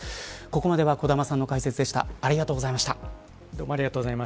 ここまでは小玉さんの解説でした。